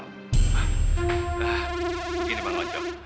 nah begini mang ojo